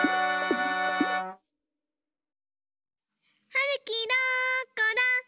はるきどこだ？